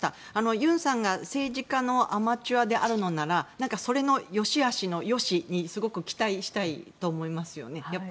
ユンさんが政治家のアマチュアであるのならそれの良し悪しの良しにすごい期待したいと思いますね。